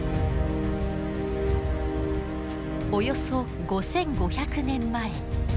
およそ５，５００年前。